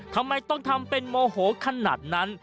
ทำไมต้องทำเป็นโมโหขนาดนั้น